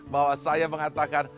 bahwa saya mengatakan